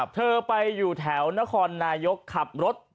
เธอไปอยู่แถวนครนายกขับรถ